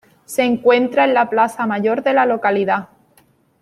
Se encuentra en la plaza mayor de la localidad.